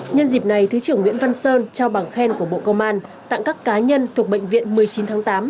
nhân dịp này thứ trưởng nguyễn văn sơn trao bằng khen của bộ công an tặng các cá nhân thuộc bệnh viện một mươi chín tháng tám